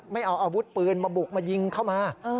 ไม่เอาอาวุธปืนมาบุกมายิงเข้ามา